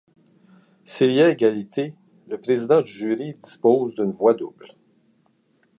S'il y a égalité, le président du jury dispose d'une voix double.